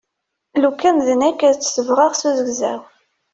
Lukan d nekk ad t-sebɣeɣ s uzegzaw.